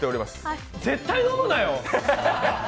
絶対飲むなよ！